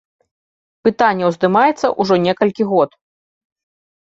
Пытанне ўздымаецца ўжо некалькі год.